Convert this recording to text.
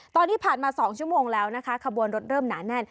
ตอนนี้ผ่านมา๒ชั่วโมงแล้วนะคะขบวนรถเริ่มหนาแน่น